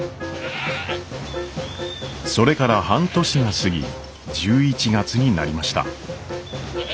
それから半年が過ぎ１１月になりました。